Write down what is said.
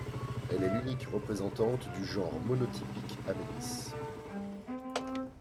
Elle est l'unique représentante du genre monotypique Amenis.